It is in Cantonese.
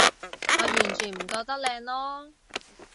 我完全唔覺得靚囉